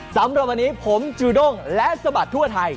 สำหรับวันนี้ผมจูด้งและสะบัดทั่วไทย